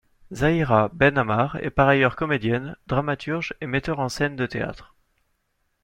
Zahira Ben Ammar est par ailleurs comédienne, dramaturge et metteur en scène de théâtre.